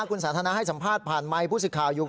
คุณสาธารณะให้สัมภาษณ์ผ่านไมค์พูดสิทธิ์ข่าวอยู่